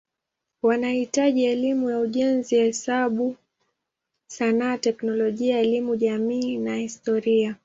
Wanahitaji elimu ya ujenzi, hesabu, sanaa, teknolojia, elimu jamii na historia.